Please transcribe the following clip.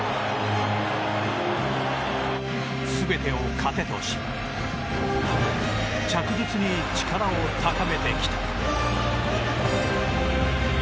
全てを糧とし着実に力を高めてきた。